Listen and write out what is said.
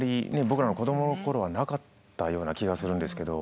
僕らの子どもの頃はなかったような気がするんですけど。